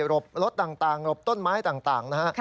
รถต่างหลบต้นไม้ต่างนะฮะ